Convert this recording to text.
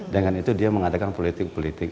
dengan itu dia mengadakan politik politik